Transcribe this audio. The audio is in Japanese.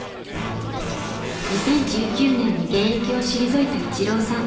２０１９年に現役を退いたイチローさん。